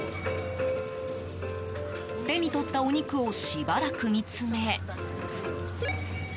手に取ったお肉をしばらく見つめ。